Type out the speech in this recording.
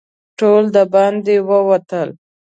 ټول د باندې ووتل.